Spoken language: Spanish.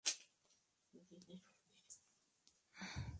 Asimismo, se ha destacado como columnista y es autora de varios libros.